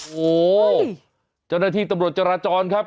โอ้โหเจ้าหน้าที่ตำรวจจราจรครับ